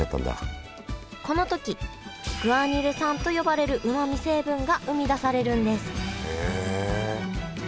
この時グアニル酸と呼ばれるうまみ成分が生み出されるんです。